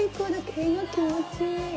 毛が気持ちいい。